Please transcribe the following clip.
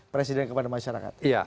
presiden kepada masyarakat